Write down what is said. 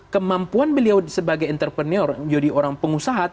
kemampuan beliau sebagai entrepreneur menjadi orang pengusaha